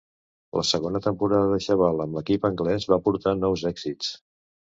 La segona temporada de Chabal amb l'equip anglès va portar nous èxits.